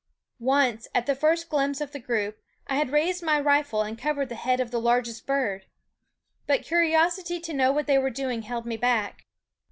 Once, at the first glimpse of the group, I had raised my rifle and covered the head of the largest bird; but curiosity to know what they were doing held me back.